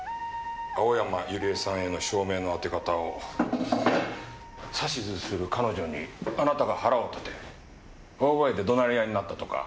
青山ユリエさんへの照明の当て方を指図する彼女にあなたが腹を立て大声で怒鳴り合いになったとか。